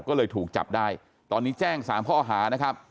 ก็เลยถูกจับได้ตอนนี้แจ้ง๓ข้อหานะครับ